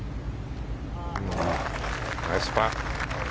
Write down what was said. ナイスパー！